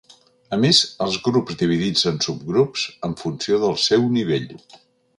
A més, els grups dividits en subgrups, en funció del seu nivell.